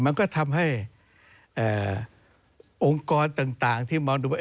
มันก็ทำให้องค์กรต่างที่มองดูว่า